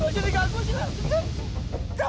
tujuh tiga aku silahkan